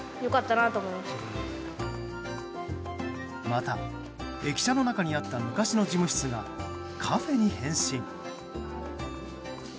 また駅舎の中にあった昔の事務室がカフェに変身。